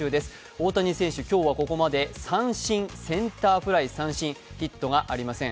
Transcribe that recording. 大谷選手、今日はここまで三振、センターフライ三振、ヒットがありません